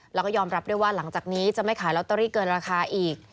แล้วก็ยอมรับด้วยว่าหลังจากนี้จะไม่ขายลอตเตอรี่เกินราคาอีก